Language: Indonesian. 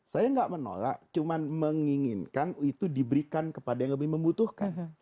saya nggak menolak cuma menginginkan itu diberikan kepada yang lebih membutuhkan